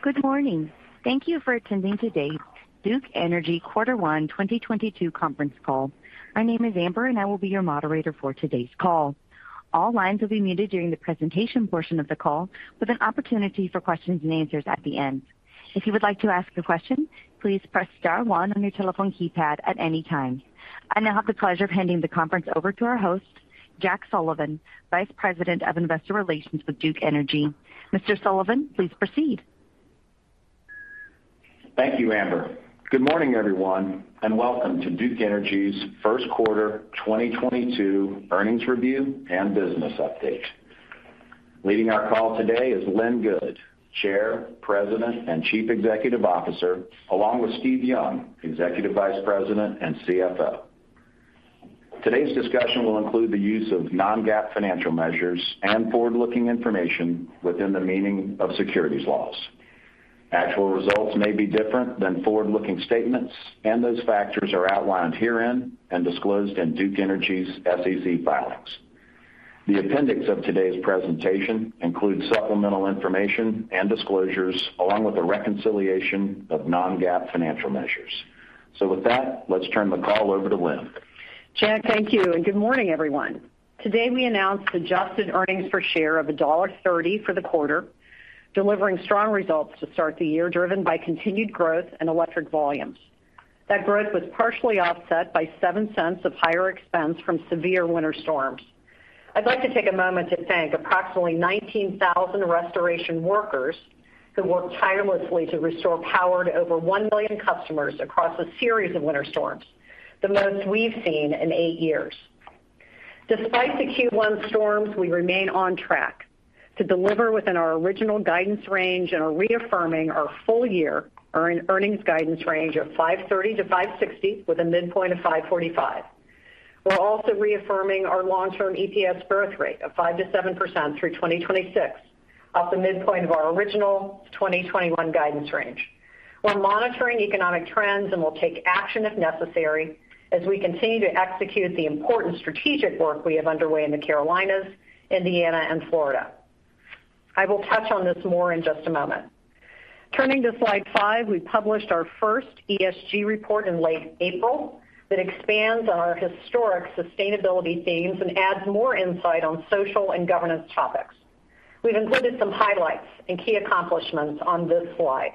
Good morning. Thank you for attending today's Duke Energy Q1 2022 conference call. My name is Amber, and I will be your moderator for today's call. All lines will be muted during the presentation portion of the call with an opportunity for questions-and-answers at the end. If you would like to ask a question, please press star one on your telephone keypad at any time. I now have the pleasure of handing the conference over to our host, Jack Sullivan, Vice President of Investor Relations with Duke Energy. Mr. Sullivan, please proceed. Thank you, Amber. Good morning, everyone, and welcome to Duke Energy's first quarter 2022 earnings review and business update. Leading our call today is Lynn Good, Chair, President, and Chief Executive Officer, along with Steve Young, Executive Vice President and CFO. Today's discussion will include the use of non-GAAP financial measures and forward-looking information within the meaning of securities laws. Actual results may be different than forward-looking statements, and those factors are outlined herein and disclosed in Duke Energy's SEC filings. The appendix of today's presentation includes supplemental information and disclosures along with a reconciliation of non-GAAP financial measures. With that, let's turn the call over to Lynn. Jack, thank you, and good morning, everyone. Today, we announced adjusted earnings per share of $1.30 for the quarter, delivering strong results to start the year driven by continued growth in electric volumes. That growth was partially offset by $0.07 of higher expense from severe winter storms. I'd like to take a moment to thank approximately 19,000 restoration workers who worked tirelessly to restore power to over 1 million customers across a series of winter storms, the most we've seen in eight years. Despite the Q1 storms, we remain on track to deliver within our original guidance range and are reaffirming our full-year earnings guidance range of $5.30-$5.60 with a midpoint of $5.45. We're also reaffirming our long-term EPS growth rate of 5%-7% through 2026, off the midpoint of our original 2021 guidance range. We're monitoring economic trends and will take action if necessary as we continue to execute the important strategic work we have underway in the Carolinas, Indiana, and Florida. I will touch on this more in just a moment. Turning to slide five, we published our first ESG report in late April that expands on our historic sustainability themes and adds more insight on social and governance topics. We've included some highlights and key accomplishments on this slide.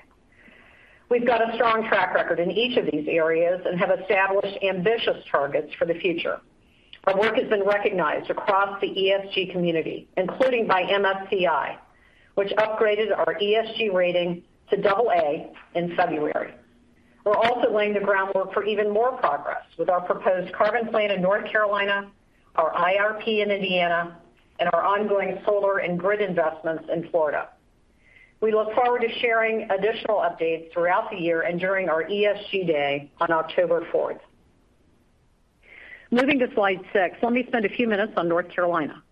We've got a strong track record in each of these areas and have established ambitious targets for the future. Our work has been recognized across the ESG community, including by MSCI, which upgraded our ESG rating to AA in February. We're also laying the groundwork for even more progress with our proposed Carbon Plan in North Carolina, our IRP in Indiana, and our ongoing solar and grid investments in Florida. We look forward to sharing additional updates throughout the year and during our ESG Day on October 4th. Moving to slide six, let me spend a few minutes on North Carolina.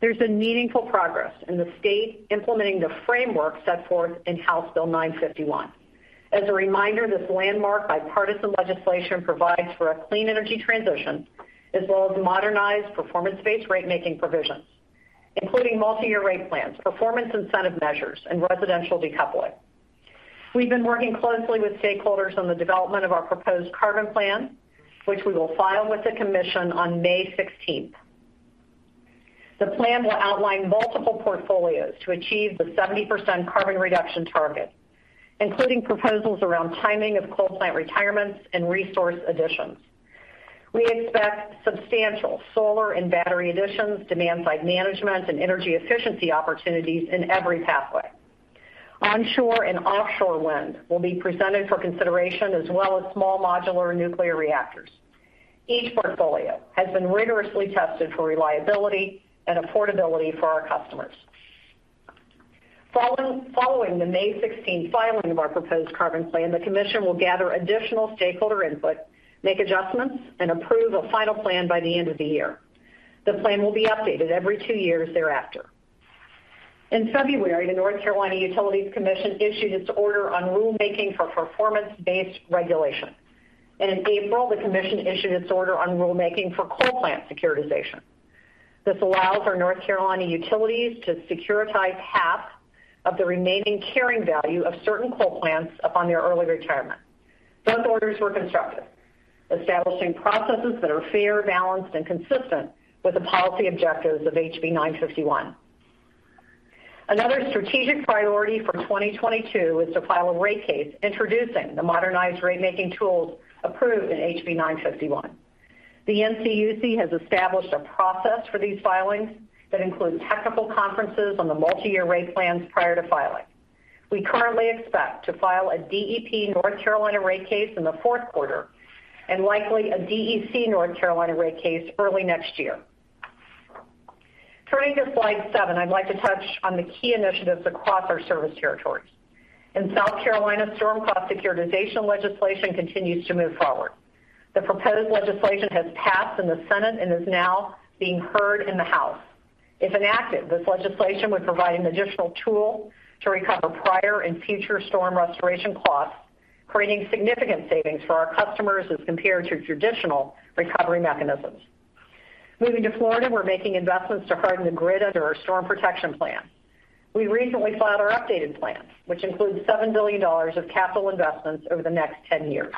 There's been meaningful progress in the state implementing the framework set forth in House Bill 951. As a reminder, this landmark bipartisan legislation provides for a clean energy transition as well as modernized performance-based rate making provisions, including multi-year rate plans, performance incentive measures, and residential decoupling. We've been working closely with stakeholders on the development of our proposed Carbon Plan, which we will file with the commission on May 16th. The plan will outline multiple portfolios to achieve the 70% carbon reduction target, including proposals around timing of coal plant retirements and resource additions. We expect substantial solar and battery additions, demand-side management, and energy efficiency opportunities in every pathway. Onshore and offshore wind will be presented for consideration as well as small modular nuclear reactors. Each portfolio has been rigorously tested for reliability and affordability for our customers. Following the May 16th filing of our proposed Carbon Plan, the commission will gather additional stakeholder input, make adjustments, and approve a final plan by the end of the year. The plan will be updated every two years thereafter. In February, the North Carolina Utilities Commission issued its order on rulemaking for performance-based regulation. In April, the commission issued its order on rulemaking for coal plant securitization. This allows our North Carolina utilities to securitize half of the remaining carrying value of certain coal plants upon their early retirement. Both orders were constructed, establishing processes that are fair, balanced, and consistent with the policy objectives of HB 951. Another strategic priority for 2022 is to file a rate case introducing the modernized rate making tools approved in HB 951. The NCUC has established a process for these filings that include technical conferences on the multi-year rate plans prior to filing. We currently expect to file a DEP North Carolina rate case in the fourth quarter and likely a DEC North Carolina rate case early next year. Turning to slide seven, I'd like to touch on the key initiatives across our service territories. In South Carolina, storm cost securitization legislation continues to move forward. The proposed legislation has passed in the Senate and is now being heard in the House. If enacted, this legislation would provide an additional tool to recover prior and future storm restoration costs, creating significant savings for our customers as compared to traditional recovery mechanisms. Moving to Florida, we're making investments to harden the grid under our Storm Protection Plan. We recently filed our updated plan, which includes $7 billion of capital investments over the next 10 years.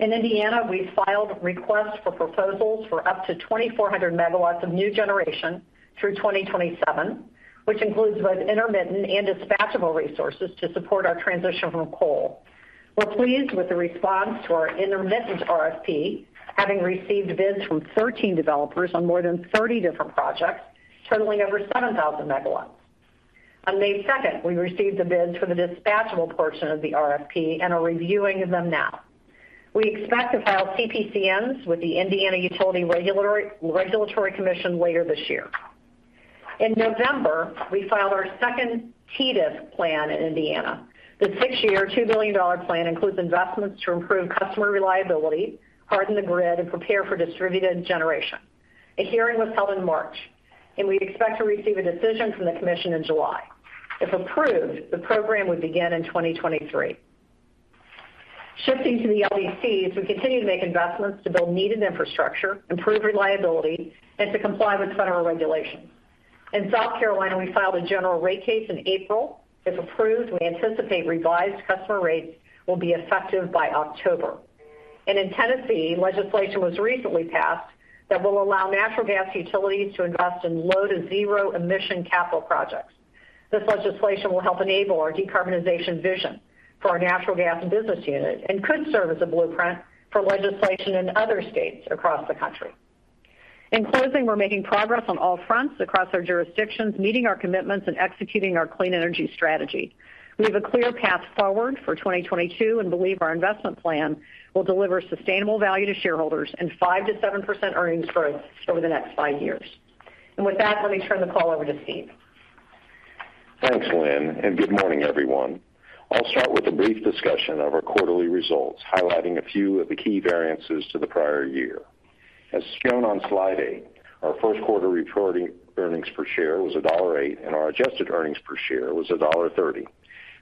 In Indiana, we filed requests for proposals for up to 2,400 MW of new generation through 2027, which includes both intermittent and dispatchable resources to support our transition from coal. We're pleased with the response to our intermittent RFP, having received bids from 13 developers on more than 30 different projects, totaling over 7,000 MW. On May 2nd, we received the bids for the dispatchable portion of the RFP and are reviewing them now. We expect to file CPCNs with the Indiana Utility Regulatory Commission later this year. In November, we filed our second TDIS plan in Indiana. The six-year, $2 billion plan includes investments to improve customer reliability, harden the grid, and prepare for distributed generation. A hearing was held in March, and we expect to receive a decision from the commission in July. If approved, the program would begin in 2023. Shifting to the LDCs, we continue to make investments to build needed infrastructure, improve reliability, and to comply with federal regulations. In South Carolina, we filed a general rate case in April. If approved, we anticipate revised customer rates will be effective by October. In Tennessee, legislation was recently passed that will allow natural gas utilities to invest in low to zero emission capital projects. This legislation will help enable our decarbonization vision for our natural gas business unit and could serve as a blueprint for legislation in other states across the country. In closing, we're making progress on all fronts across our jurisdictions, meeting our commitments, and executing our clean energy strategy. We have a clear path forward for 2022 and believe our investment plan will deliver sustainable value to shareholders and 5%-7% earnings growth over the next five years. With that, let me turn the call over to Steve. Thanks, Lynn, and good morning, everyone. I'll start with a brief discussion of our quarterly results, highlighting a few of the key variances to the prior year. As shown on slide eight, our first quarter reported earnings per share was $1.80, and our adjusted earnings per share was $1.30.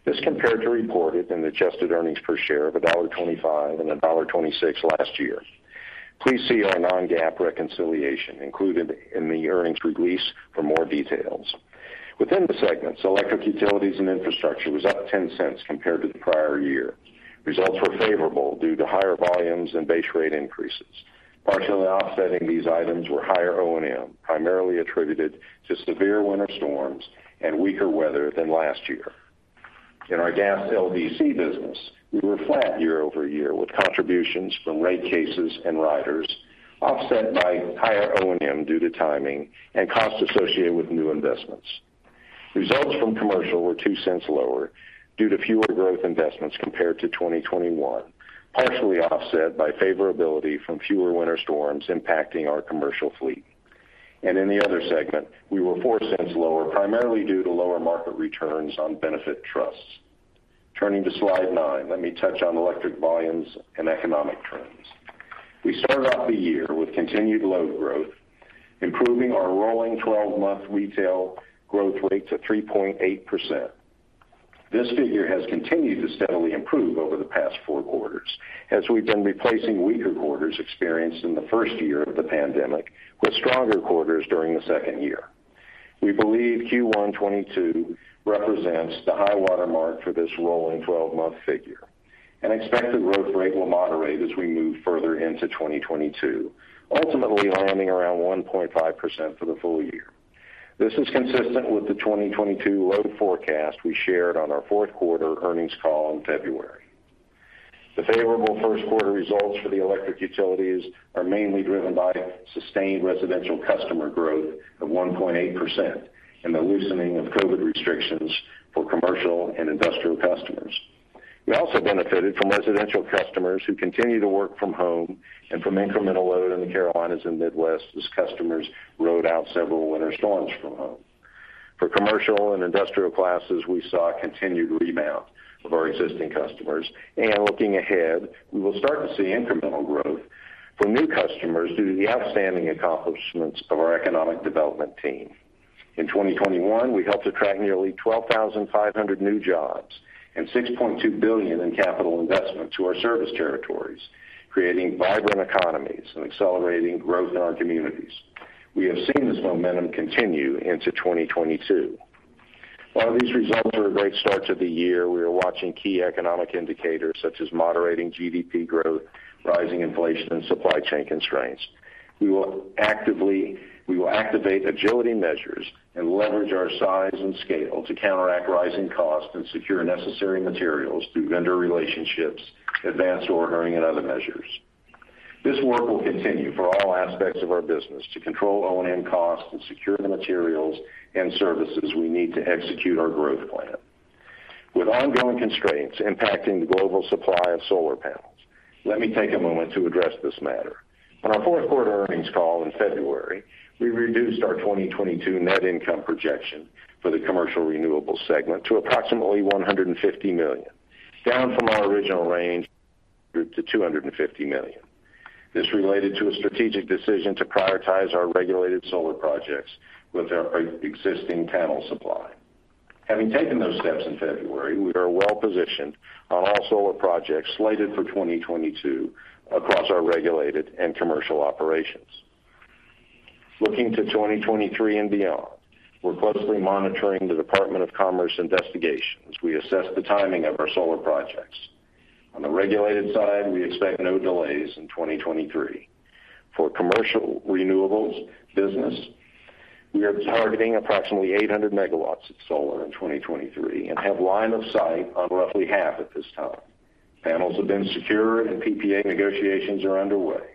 This compared to reported and adjusted earnings per share of $1.25 and $1.26 last year. Please see our non-GAAP reconciliation included in the earnings release for more details. Within the segments, electric utilities and infrastructure was up $0.10 compared to the prior year. Results were favorable due to higher volumes and base rate increases. Partially offsetting these items were higher O&M, primarily attributed to severe winter storms and weaker weather than last year. In our gas LDC business, we were flat year-over-year, with contributions from rate cases and riders offset by higher O&M due to timing and costs associated with new investments. Results from commercial were $0.02 lower due to fewer growth investments compared to 2021, partially offset by favorability from fewer winter storms impacting our commercial fleet. In the other segment, we were $0.04 lower, primarily due to lower market returns on benefit trusts. Turning to slide nine, let me touch on electric volumes and economic trends. We started off the year with continued load growth, improving our rolling 12-month retail growth rate to 3.8%. This figure has continued to steadily improve over the past four quarters as we've been replacing weaker quarters experienced in the first year of the pandemic with stronger quarters during the second year. We believe Q1 2022 represents the high-water mark for this rolling 12-month figure. An expected growth rate will moderate as we move further into 2022, ultimately landing around 1.5% for the full year. This is consistent with the 2022 load forecast we shared on our fourth quarter earnings call in February. The favorable first quarter results for the electric utilities are mainly driven by sustained residential customer growth of 1.8% and the loosening of COVID restrictions for commercial and industrial customers. We also benefited from residential customers who continue to work from home and from incremental load in the Carolinas and Midwest as customers rode out several winter storms from home. For commercial and industrial classes, we saw a continued rebound of our existing customers. Looking ahead, we will start to see incremental growth from new customers due to the outstanding accomplishments of our economic development team. In 2021, we helped attract nearly 12,500 new jobs and $6.2 billion in capital investment to our service territories, creating vibrant economies and accelerating growth in our communities. We have seen this momentum continue into 2022. While these results are a great start to the year, we are watching key economic indicators such as moderating GDP growth, rising inflation, and supply chain constraints. We will activate agility measures and leverage our size and scale to counteract rising costs and secure necessary materials through vendor relationships, advanced ordering, and other measures. This work will continue for all aspects of our business to control O&M costs and secure the materials and services we need to execute our growth plan. With ongoing constraints impacting the global supply of solar panels, let me take a moment to address this matter. On our fourth quarter earnings call in February, we reduced our 2022 net income projection for the commercial renewables segment to approximately $150 million, down from our original range of $250 million. This related to a strategic decision to prioritize our regulated solar projects with our existing panel supply. Having taken those steps in February, we are well positioned on all solar projects slated for 2022 across our regulated and commercial operations. Looking to 2023 and beyond, we're closely monitoring the Department of Commerce investigations. We assess the timing of our solar projects. On the regulated side, we expect no delays in 2023. For commercial renewables business, we are targeting approximately 800 MW of solar in 2023 and have line of sight on roughly half at this time. Panels have been secured and PPA negotiations are underway.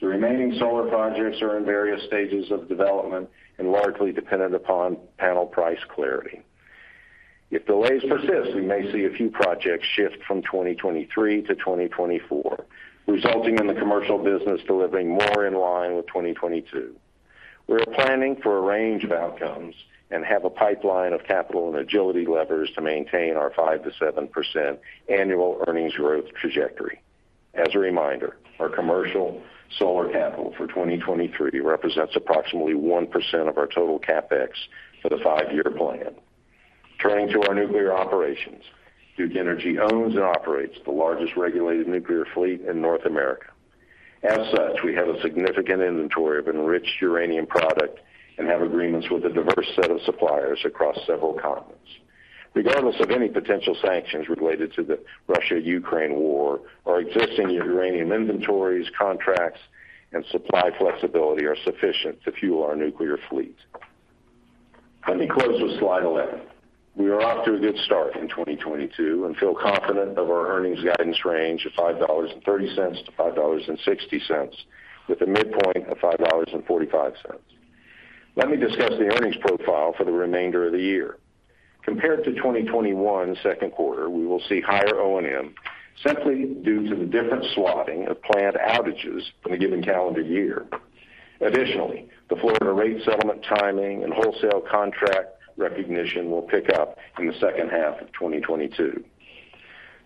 The remaining solar projects are in various stages of development and largely dependent upon panel price clarity. If delays persist, we may see a few projects shift from 2023 to 2024, resulting in the commercial business delivering more in line with 2022. We are planning for a range of outcomes and have a pipeline of capital and agility levers to maintain our 5%-7% annual earnings growth trajectory. As a reminder, our commercial solar capital for 2023 represents approximately 1% of our total CapEx for the five-year plan. Turning to our nuclear operations, Duke Energy owns and operates the largest regulated nuclear fleet in North America. As such, we have a significant inventory of enriched uranium product and have agreements with a diverse set of suppliers across several continents. Regardless of any potential sanctions related to the Russia-Ukraine war, our existing uranium inventories, contracts, and supply flexibility are sufficient to fuel our nuclear fleet. Let me close with slide 11. We are off to a good start in 2022 and feel confident of our earnings guidance range of $5.30-$5.60, with a midpoint of $5.45. Let me discuss the earnings profile for the remainder of the year. Compared to 2021 second quarter, we will see higher O&M simply due to the different slotting of plant outages in a given calendar year. Additionally, the Florida rate settlement timing and wholesale contract recognition will pick up in the second half of 2022.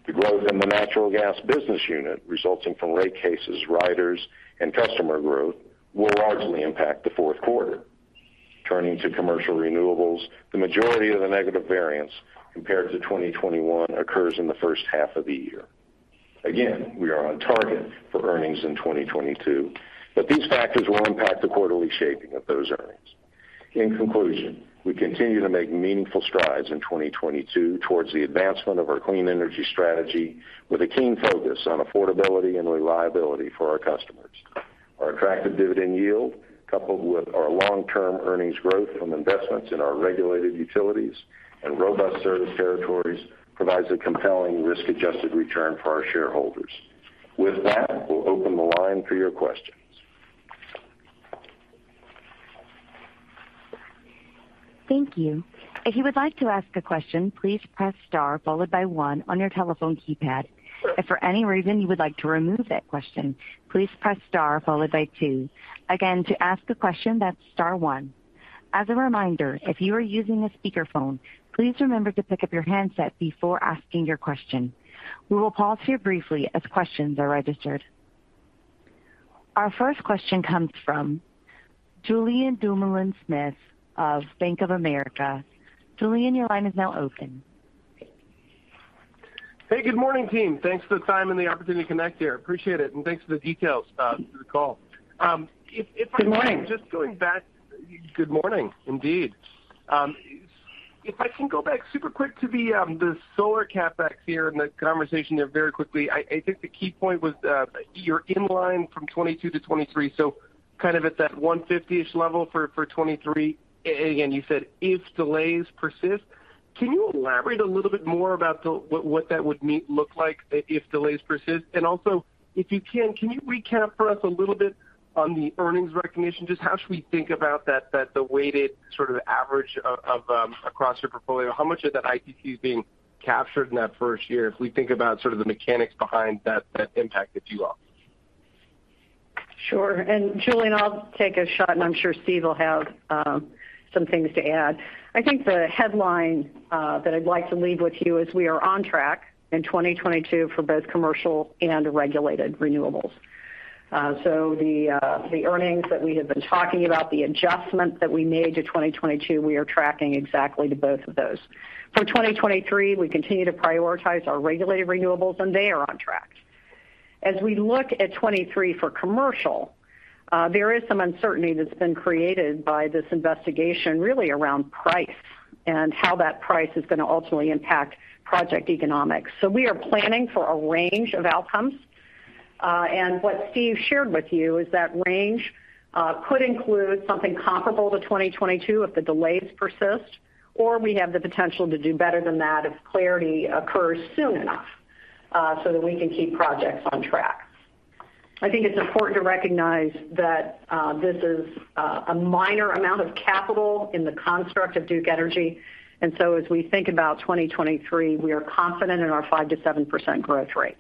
The growth in the natural gas business unit resulting from rate cases, riders, and customer growth will largely impact the fourth quarter. Turning to commercial renewables, the majority of the negative variance compared to 2021 occurs in the first half of the year. Again, we are on target for earnings in 2022, but these factors will impact the quarterly shaping of those earnings. In conclusion, we continue to make meaningful strides in 2022 towards the advancement of our clean energy strategy with a keen focus on affordability and reliability for our customers. Our attractive dividend yield, coupled with our long-term earnings growth from investments in our regulated utilities and robust service territories, provides a compelling risk-adjusted return for our shareholders. With that, we'll open the line for your questions. Thank you. If you would like to ask a question, please press star followed by one on your telephone keypad. If for any reason you would like to remove that question, please press star followed by two. Again, to ask a question, that's star one. As a reminder, if you are using a speakerphone, please remember to pick up your handset before asking your question. We will pause here briefly as questions are registered. Our first question comes from Julien Dumoulin-Smith of Bank of America. Julien, your line is now open. Hey, good morning, team. Thanks for the time and the opportunity to connect here. Appreciate it, and thanks for the details through the call. If I can- Good morning. Just going back. Good morning, indeed. If I can go back super quick to the solar CapEx here and the conversation there very quickly. I think the key point was you're in line from 2022 to 2023, so kind of at that 150-ish level for 2023. And you said if delays persist. Can you elaborate a little bit more about what that would mean, look like if delays persist? And also if you can recap for us a little bit on the earnings recognition? Just how should we think about that, the weighted sort of average of across your portfolio? How much of that ITC is being captured in that first year if we think about sort of the mechanics behind that impact at Q1? Sure. Julien, I'll take a shot, and I'm sure Steve will have some things to add. I think the headline that I'd like to leave with you is we are on track in 2022 for both commercial and regulated renewables. The earnings that we have been talking about, the adjustment that we made to 2022, we are tracking exactly to both of those. For 2023, we continue to prioritize our regulated renewables, and they are on track. As we look at 2023 for commercial, there is some uncertainty that's been created by this investigation really around price and how that price is gonna ultimately impact project economics. We are planning for a range of outcomes. What Steve shared with you is that range could include something comparable to 2022 if the delays persist, or we have the potential to do better than that if clarity occurs soon enough so that we can keep projects on track. I think it's important to recognize that this is a minor amount of capital in the construct of Duke Energy. As we think about 2023, we are confident in our 5%-7% growth rate.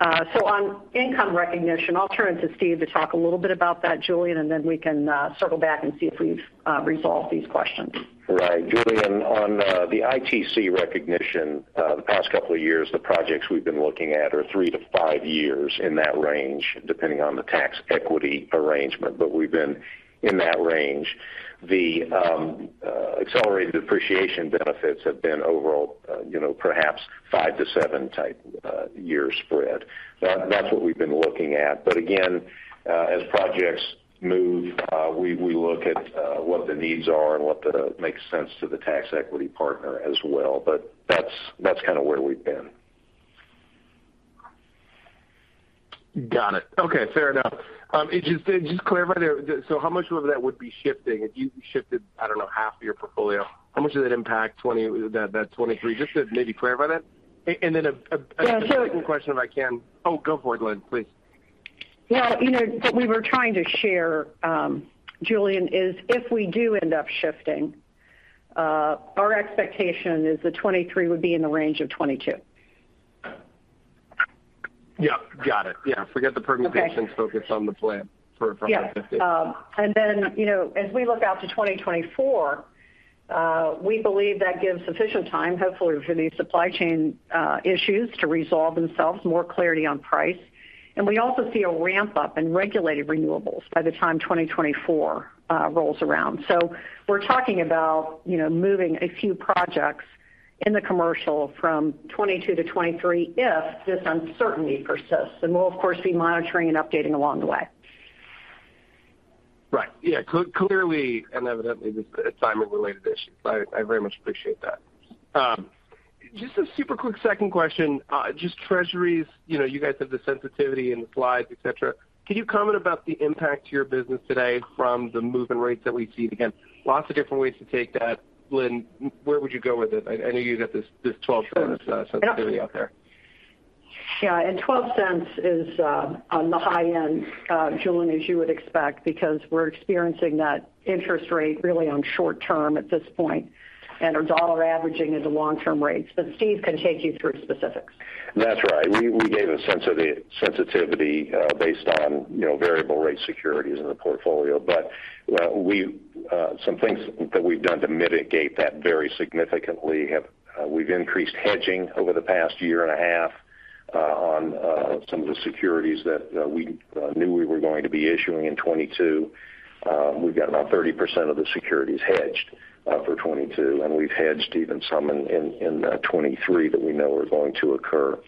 On income recognition, I'll turn it to Steve to talk a little bit about that, Julien, and then we can circle back and see if we've resolved these questions. Right. Julien, on the ITC recognition, the past couple of years, the projects we've been looking at are three to five years in that range, depending on the tax equity arrangement. We've been in that range. The accelerated depreciation benefits have been overall, you know, perhaps five to seven-year spread. That's what we've been looking at. Again, as projects move, we look at what the needs are and what makes sense to the tax equity partner as well. That's kind of where we've been. Got it. Okay. Fair enough. Just to clarify there, so how much of that would be shifting if you shifted, I don't know, half of your portfolio? How much does it impact that 2023? Just to maybe clarify that. Yeah. A second question, if I can. Oh, go for it, Lynn, please. Well, you know, what we were trying to share, Julien, is if we do end up shifting, our expectation is the 2023 would be in the range of 2022. Yeah. Got it. Yeah. Forget the permutations- Okay. Focus on the plan for now. Yes. Then, you know, as we look out to 2024, we believe that gives sufficient time, hopefully, for these supply chain issues to resolve themselves, more clarity on price. We also see a ramp up in regulated renewables by the time 2024 rolls around. We're talking about, you know, moving a few projects in the commercial from 2022 to 2023 if this uncertainty persists. We'll of course be monitoring and updating along the way. Right. Yeah. Clearly and evidently, this is a timing related issue. I very much appreciate that. Just a super quick second question. Just Treasuries, you know, you guys have the sensitivity in the slides, et cetera. Can you comment about the impact to your business today from the move in rates that we've seen? Again, lots of different ways to take that. Lynn, where would you go with it? I know you got this $0.12 sensitivity out there. $0.12 is on the high end, Julien, as you would expect, because we're experiencing that interest rate really on short-term at this point. Our dollar averaging is a long-term rate. Steve can take you through specifics. That's right. We gave a sensitivity based on, you know, variable rate securities in the portfolio. Some things that we've done to mitigate that very significantly. We've increased hedging over the past year and a half on some of the securities that we knew we were going to be issuing in 2022. We've got about 30% of the securities hedged for 2022, and we've hedged even some in 2023 that we know are going to occur.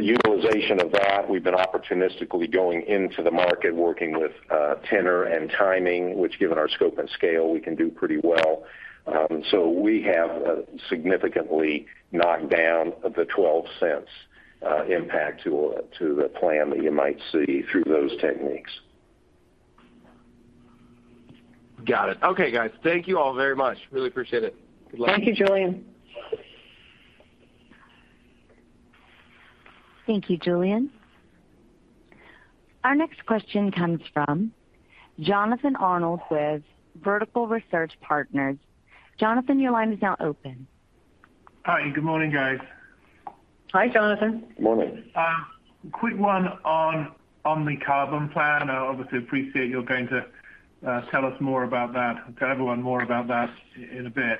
Utilization of that, we've been opportunistically going into the market working with tenor and timing, which given our scope and scale, we can do pretty well. We have significantly knocked down the $0.12 impact to the plan that you might see through those techniques. Got it. Okay, guys, thank you all very much. Really appreciate it. Good luck. Thank you, Julien Dumoulin-Smith. Thank you, Julien. Our next question comes from Jonathan Arnold with Vertical Research Partners. Jonathan, your line is now open. Hi. Good morning, guys. Hi, Jonathan. Morning. Quick one on the Carbon Plan. I obviously appreciate you're going to tell us more about that, tell everyone more about that in a bit.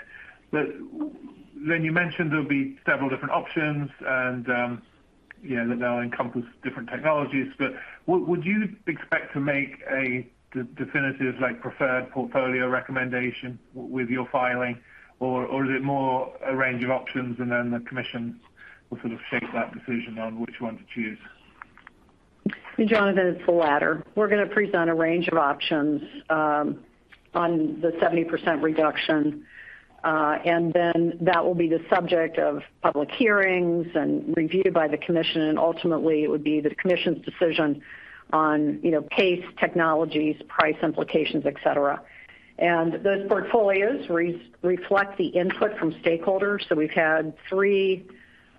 Lynn, you mentioned there'll be several different options and that they'll encompass different technologies, but would you expect to make a definitive, like preferred portfolio recommendation with your filing or is it more a range of options, and then the commission will sort of shape that decision on which one to choose? Jonathan, it's the latter. We're going to present a range of options on the 70% reduction, and then that will be the subject of public hearings and reviewed by the commission. Ultimately it would be the commission's decision on, you know, pace, technologies, price implications, et cetera. Those portfolios reflect the input from stakeholders. We've had three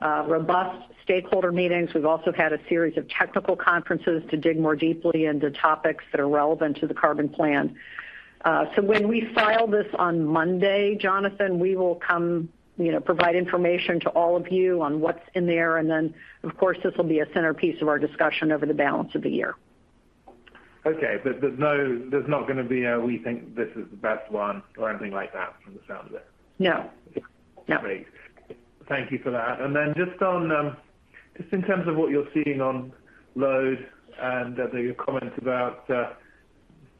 robust stakeholder meetings. We've also had a series of technical conferences to dig more deeply into topics that are relevant to the Carbon Plan. When we file this on Monday, Jonathan, we will come, you know, provide information to all of you on what's in there. Then of course, this will be a centerpiece of our discussion over the balance of the year. Okay. There's not going to be a, we think this is the best one or anything like that from the sound of it? No. No. Great. Thank you for that. Just on just in terms of what you're seeing on load and the comments about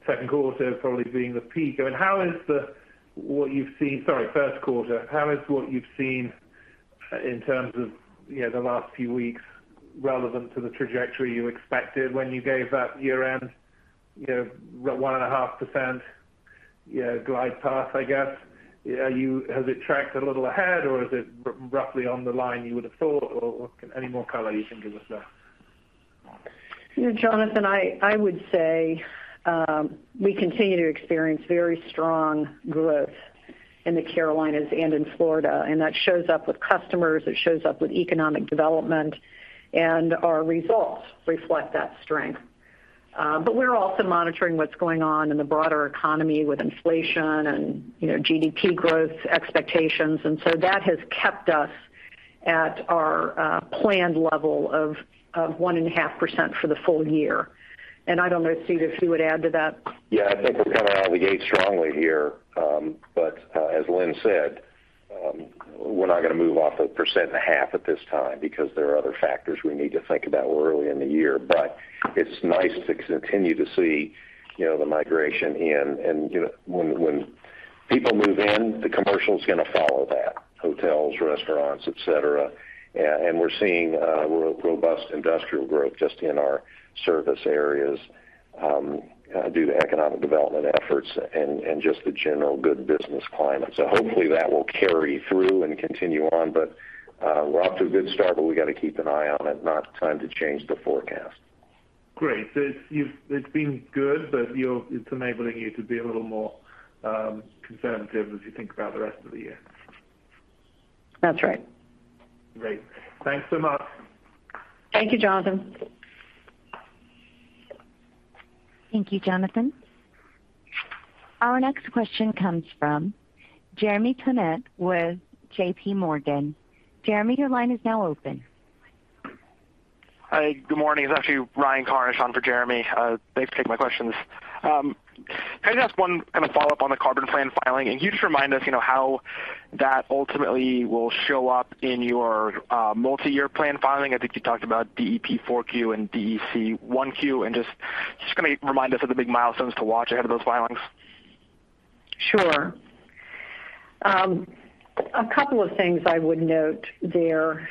second quarter probably being the peak. I mean, how is what you've seen in first quarter in terms of you know the last few weeks relevant to the trajectory you expected when you gave that year-end you know 1.5% you know glide path I guess? Has it tracked a little ahead or is it roughly on the line you would have thought or any more color you can give us there? You know, Jonathan, I would say we continue to experience very strong growth in the Carolinas and in Florida, and that shows up with customers, it shows up with economic development, and our results reflect that strength. But we're also monitoring what's going on in the broader economy with inflation and, you know, GDP growth expectations. That has kept us at our planned level of 1.5% for the full year. I don't know, Steve, if you would add to that. Yeah, I think we're coming out of the gate strongly here. As Lynn said We're not going to move off 1.5% at this time because there are other factors we need to think about. We're early in the year, but it's nice to continue to see, you know, the migration in. You know, when people move in, the commercial is going to follow that; hotels, restaurants, et cetera. We're seeing robust industrial growth just in our service areas due to economic development efforts and just the general good business climate. Hopefully that will carry through and continue on. We're off to a good start, but we got to keep an eye on it. Not time to change the forecast. Great. It's been good, but it's enabling you to be a little more conservative as you think about the rest of the year. That's right. Great. Thanks so much. Thank you, Jonathan. Thank you, Jonathan. Our next question comes from Jeremy Tonet with JPMorgan. Jeremy, your line is now open. Hi. Good morning. It's actually Ryan Karnish on for Jeremy. Thanks for taking my questions. Can I just ask one kind of follow-up on the Carbon Plan filing? Can you just remind us, you know, how that ultimately will show up in your multi-year plan filing? I think you talked about DEP 4Q and DEC 1Q. Just going to remind us of the big milestones to watch ahead of those filings. Sure. A couple of things I would note there.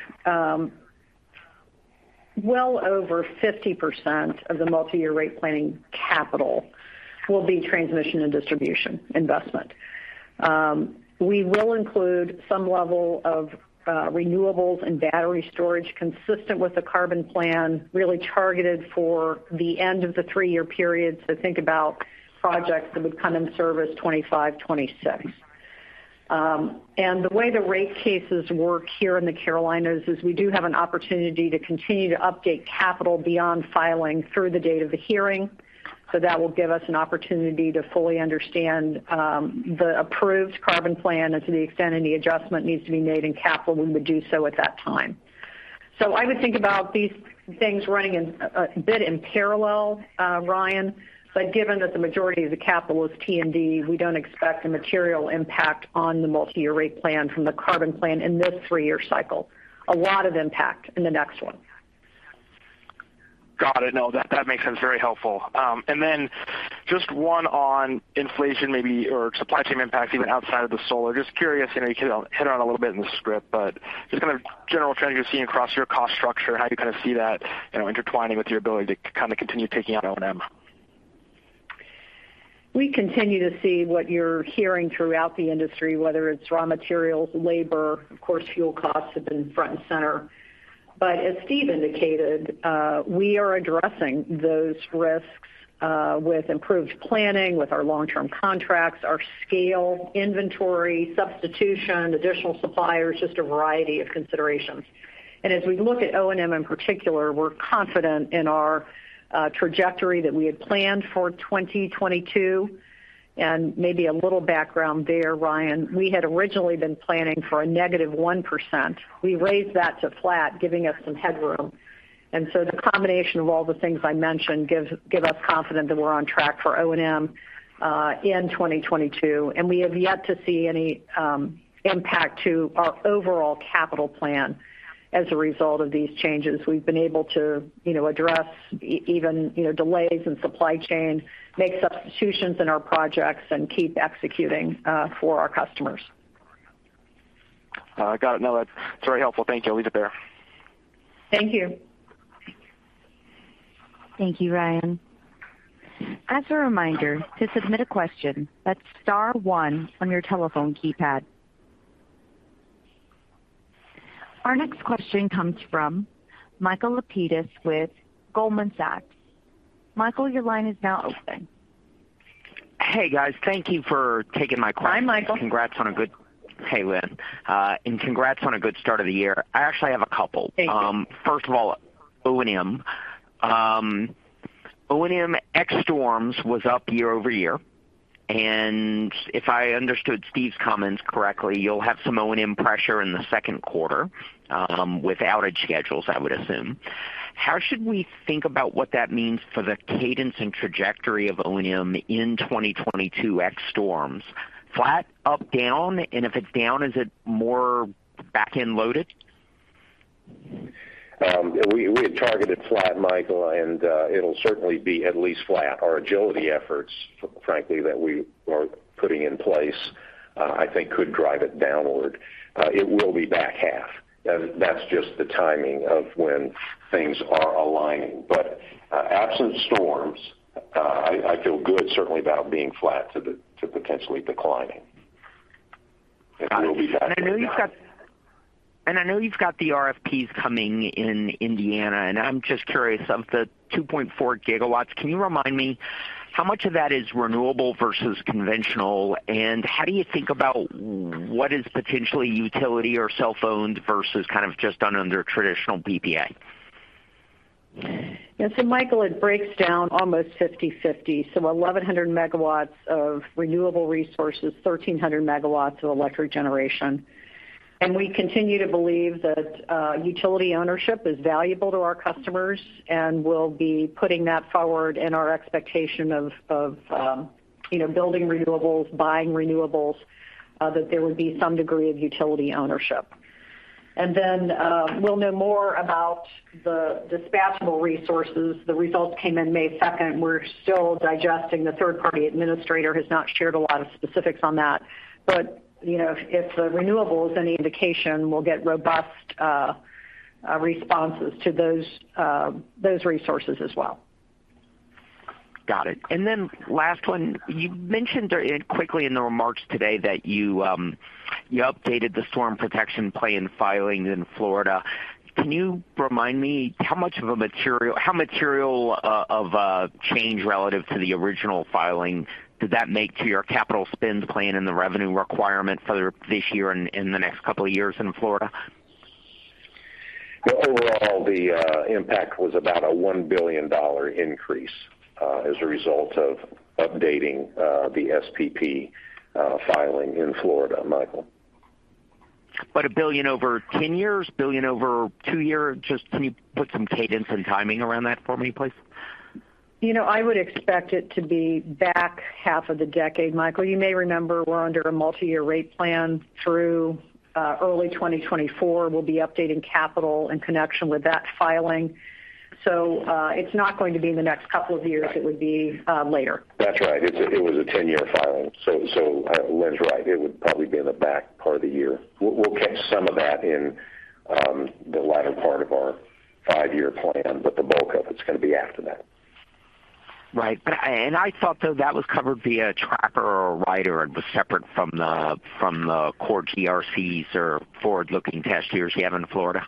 Well over 50% of the Multi-Year Rate Plan capital will be transmission and distribution investment. We will include some level of renewables and battery storage consistent with the Carbon Plan, really targeted for the end of the three-year period. Think about projects that would come in service 25, 26. The way the rate cases work here in the Carolinas is we do have an opportunity to continue to update capital beyond filing through the date of the hearing. That will give us an opportunity to fully understand the approved Carbon Plan and to the extent any adjustment needs to be made in capital, we would do so at that time. I would think about these things running in a bit in parallel, Ryan. Given that the majority of the capital is T&D, we don't expect a material impact on the Multi-Year Rate Plan from the Carbon Plan in this three-year cycle. A lot of impact in the next one. Got it. No, that makes sense. Very helpful. Just one on inflation maybe or supply chain impact even outside of the solar. Just curious, you know, you hit on it a little bit in the script, but just kind of general trends you're seeing across your cost structure. How do you kind of see that, you know, intertwining with your ability to kind of continue taking on O&M? We continue to see what you're hearing throughout the industry, whether it's raw materials, labor, of course, fuel costs have been front and center. As Steve indicated, we are addressing those risks with improved planning, with our long-term contracts, our scale, inventory, substitution, additional suppliers, just a variety of considerations. As we look at O&M in particular, we're confident in our trajectory that we had planned for 2022. Maybe a little background there, Ryan. We had originally been planning for a -1%. We raised that to flat, giving us some headroom. The combination of all the things I mentioned gives us confidence that we're on track for O&M in 2022, and we have yet to see any impact to our overall capital plan as a result of these changes. We've been able to, you know, address even, you know, delays in supply chain, make substitutions in our projects, and keep executing for our customers. Got it. No, that's very helpful. Thank you. I'll leave it there. Thank you. Thank you, Ryan. As a reminder, to submit a question, that's star one on your telephone keypad. Our next question comes from Michael Lapides with Goldman Sachs. Michael, your line is now open. Hey, guys. Thank you for taking my call. Hi, Michael. Hey, Lynn. Congrats on a good start of the year. I actually have a couple. Thank you. First of all, O&M. O&M ex storms was up year-over-year. If I understood Steve's comments correctly, you'll have some O&M pressure in the second quarter, with outage schedules, I would assume. How should we think about what that means for the cadence and trajectory of O&M in 2022 ex storms? Flat, up, down? If it's down, is it more back-end loaded? We had targeted flat, Michael, and it'll certainly be at least flat. Our agility efforts, frankly, that we are putting in place, I think could drive it downward. It will be back half. That's just the timing of when things are aligning. Absent storms, I feel good certainly about being flat to potentially declining. I know you've got the RFPs coming in Indiana, and I'm just curious of the 2.4 GW, can you remind me how much of that is renewable versus conventional? How do you think about what is potentially utility scale versus kind of just under traditional PPA? Yeah. Michael, it breaks down almost 50/50. 1,100 MW of renewable resources, thirteen hundred megawatts of electric generation. We continue to believe that utility ownership is valuable to our customers, and we'll be putting that forward in our expectation of you know, building renewables, buying renewables, that there would be some degree of utility ownership. We'll know more about the dispatchable resources. The results came in May second. We're still digesting. The third-party administrator has not shared a lot of specifics on that. You know, if the renewables is any indication, we'll get robust responses to those resources as well. Got it. Last one. You mentioned quickly in the remarks today that you updated the Storm Protection Plan filings in Florida. Can you remind me how material of a change relative to the original filing did that make to your capital spend plan and the revenue requirement for this year and the next couple of years in Florida? Well, overall, the impact was about a $1 billion increase as a result of updating the SPP filing in Florida, Michael. $1 billion over 10 years, $1 billion over two years? Just can you put some cadence and timing around that for me, please? You know, I would expect it to be back half of the decade, Michael. You may remember we're under a Multi-Year Rate Plan through early 2024. We'll be updating capital in connection with that filing. It's not going to be in the next couple of years. It would be later. That's right. It was a 10-year filing, so Lynn's right. It would probably be in the back part of the year. We'll catch some of that in the latter part of our five-year plan, but the bulk of it's going to be after that. Right. I thought, though, that was covered via a tracker or a rider and was separate from the core GRCs or forward-looking past years you have in Florida.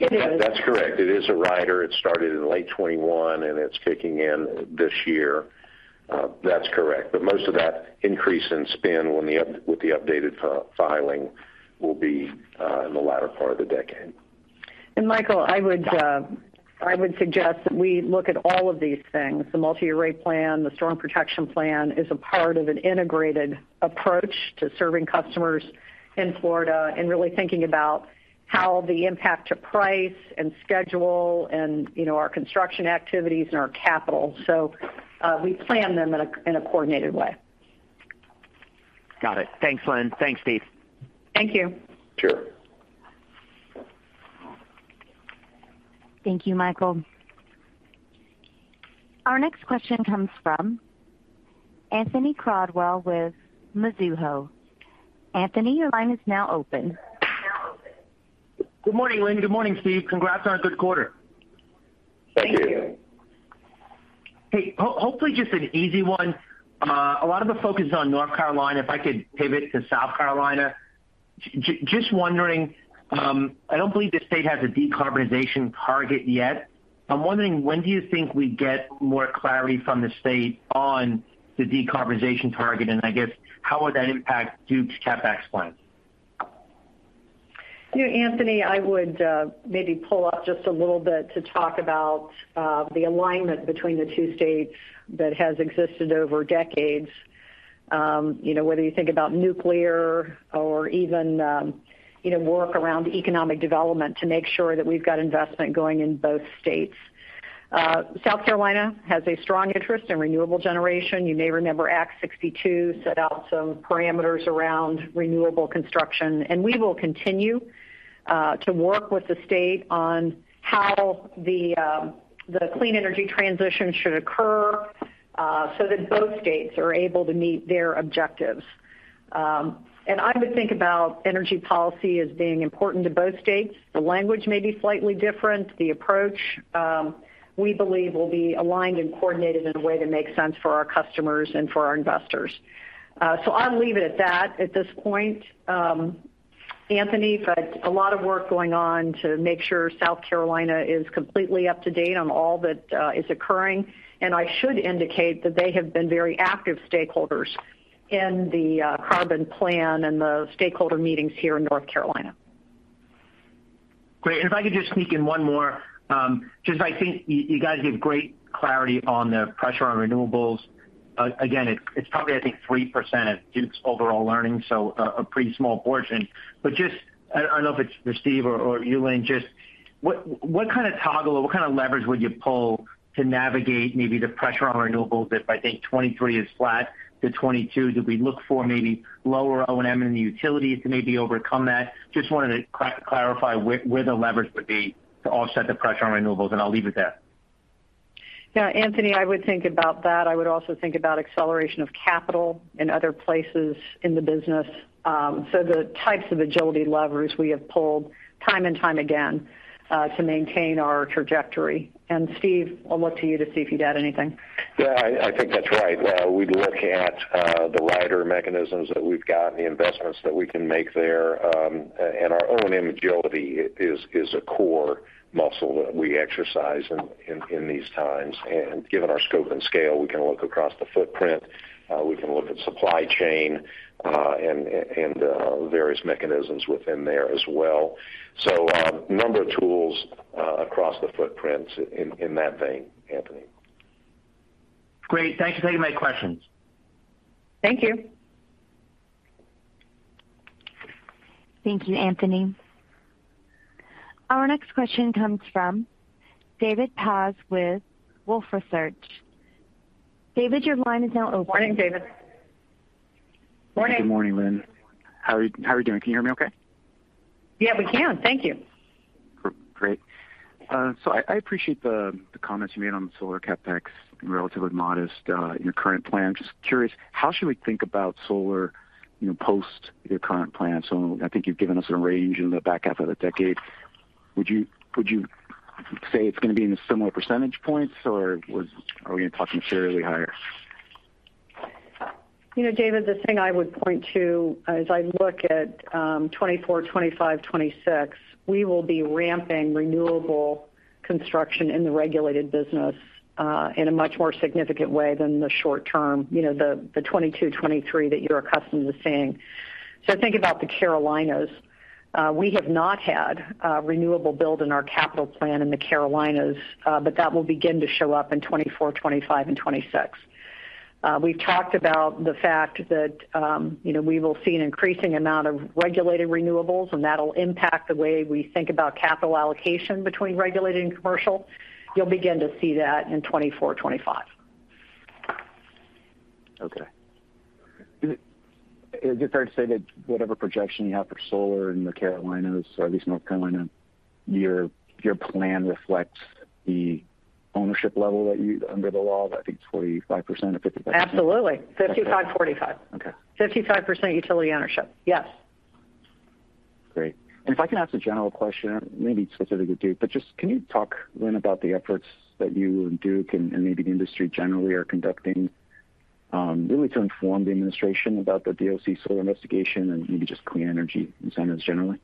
It is. That's correct. It is a rider. It started in late 2021, and it's kicking in this year. That's correct. But most of that increase in spend with the updated filing will be in the latter part of the decade. Michael, I would suggest that we look at all of these things. The Multi-Year Rate Plan, the Storm Protection Plan is a part of an integrated approach to serving customers in Florida and really thinking about how the impact to price and schedule and, you know, our construction activities and our capital. We plan them in a coordinated way. Got it. Thanks, Lynn. Thanks, Steve. Thank you. Sure. Thank you, Michael. Our next question comes from Anthony Crowdell with Mizuho. Anthony, your line is now open. Good morning, Lynn. Good morning, Steve. Congrats on a good quarter. Thank you. Thank you. Hey, hopefully just an easy one. A lot of the focus is on North Carolina. If I could pivot to South Carolina. Just wondering, I don't believe the state has a decarbonization target yet. I'm wondering, when do you think we get more clarity from the state on the decarbonization target, and I guess how would that impact Duke's CapEx plan? You know, Anthony, I would maybe pull up just a little bit to talk about the alignment between the two states that has existed over decades. You know, whether you think about nuclear or even work around economic development to make sure that we've got investment going in both states. South Carolina has a strong interest in renewable generation. You may remember Act 62 set out some parameters around renewable construction, and we will continue to work with the state on how the clean energy transition should occur so that both states are able to meet their objectives. I would think about energy policy as being important to both states. The language may be slightly different. The approach, we believe will be aligned and coordinated in a way that makes sense for our customers and for our investors. So I'll leave it at that at this point, Anthony, but a lot of work going on to make sure South Carolina is completely up to date on all that is occurring. I should indicate that they have been very active stakeholders in the Carbon Plan and the stakeholder meetings here in North Carolina. Great. If I could just sneak in one more, because I think you guys give great clarity on the pressure on renewables. Again, it's probably, I think, 3% of Duke's overall earnings, so a pretty small portion. But just, I don't know if it's Steve or you, Lynn, just what kind of toggle or what kind of leverage would you pull to navigate maybe the pressure on renewables if I think 2023 is flat to 2022? Do we look for maybe lower O&M in the utilities to maybe overcome that? Just wanted to clarify where the leverage would be to offset the pressure on renewables, and I'll leave it there. Yeah, Anthony, I would think about that. I would also think about acceleration of capital in other places in the business. The types of agility levers we have pulled time and time again to maintain our trajectory. Steve, I'll look to you to see if you'd add anything. Yeah, I think that's right. We'd look at the rider mechanisms that we've got, the investments that we can make there. And our O&M agility is a core muscle that we exercise in these times. Given our scope and scale, we can look across the footprint, we can look at supply chain and various mechanisms within there as well. A number of tools across the footprint in that vein, Anthony. Great. Thanks for taking my questions. Thank you. Thank you, Anthony. Our next question comes from David Paz with Wolfe Research. David, your line is now open. Morning, David. Morning. Good morning, Lynn. How are you, how are you doing? Can you hear me okay? Yeah, we can. Thank you. Great. I appreciate the comments you made on solar CapEx, relatively modest, in your current plan. Just curious, how should we think about solar, you know, post your current plan? I think you've given us a range in the back half of the decade. Would you say it's gonna be in the similar percentage points, or are we gonna be talking materially higher? You know, David, the thing I would point to as I look at 2024, 2025, 2026, we will be ramping renewable construction in the regulated business in a much more significant way than the short term, you know, the 2022, 2023 that you're accustomed to seeing. Think about the Carolinas. We have not had a renewable build in our capital plan in the Carolinas, but that will begin to show up in 2024, 2025 and 2026. We've talked about the fact that, you know, we will see an increasing amount of regulated renewables, and that'll impact the way we think about capital allocation between regulated and commercial. You'll begin to see that in 2024, 2025. Okay. Is it fair to say that whatever projection you have for solar in the Carolinas or at least North Carolina, your plan reflects the ownership level that you own under the law that I think is 45% or 50%? Absolutely. 55%-45%. Okay. 55% utility ownership. Yes. Great. If I can ask a general question, maybe specific to Duke, but just can you talk, Lynn, about the efforts that you and Duke and maybe the industry generally are conducting really to inform the administration about the DOC solar investigation and maybe just clean energy incentives generally?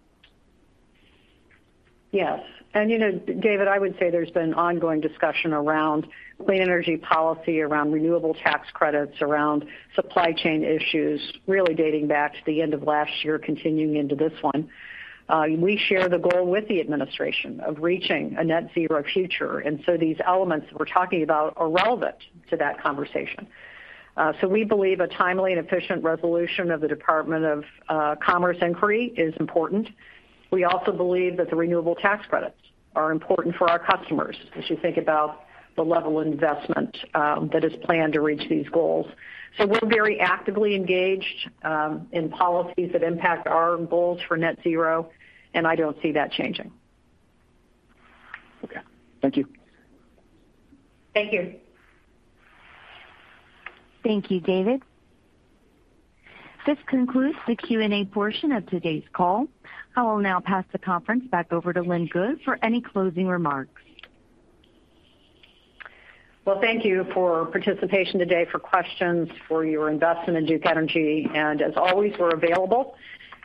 Yes. You know, David, I would say there's been ongoing discussion around clean energy policy, around renewable tax credits, around supply chain issues, really dating back to the end of last year, continuing into this one. We share the goal with the administration of reaching a net zero future, and these elements we're talking about are relevant to that conversation. We believe a timely and efficient resolution of the Department of Commerce inquiry is important. We also believe that the renewable tax credits are important for our customers as you think about the level of investment that is planned to reach these goals. We're very actively engaged in policies that impact our goals for net zero, and I don't see that changing. Okay. Thank you. Thank you. Thank you, David. This concludes the Q&A portion of today's call. I will now pass the conference back over to Lynn Good for any closing remarks. Well, thank you for participation today, for questions, for your investment in Duke Energy. As always, we're available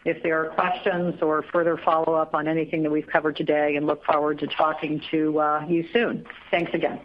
if there are questions or further follow-up on anything that we've covered today, and look forward to talking to you soon. Thanks again.